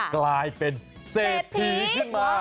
กลายเป็นเศรษฐีขึ้นมา